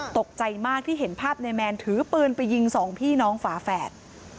ตกใจมากที่เห็นภาพนายแมนถือปืนไปยิงสองพี่น้องฝาแฝด